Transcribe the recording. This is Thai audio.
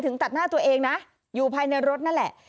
ตัดหน้าตัวเองนะอยู่ภายในรถนั่นแหละ